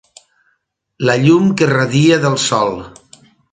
La llum que radia del sol.